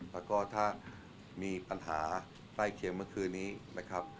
แล้วก็ถ้ามีปัญหาใกล้เคียงเมื่อคืนนี้นะครับ